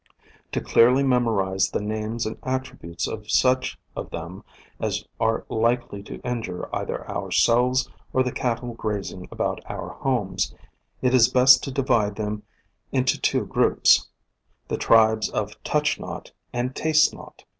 To clearly memorize the names and attributes of such of them as are likely to injure either ourselves or the cattle grazing about our homes, it is best to divide them in two groups: the tribes of Touch Not and Taste Not.